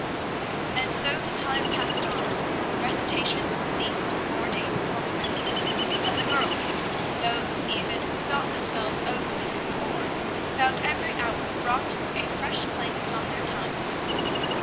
And so the time passed on. Recitations ceased four days before commencement, and the girls, those even who thought themselves over busy before, found every hour brought a fresh claim upon their time.